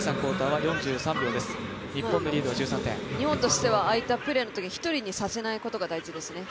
日本としてはああいったプレーのときに一人にさせないことが大事ですね。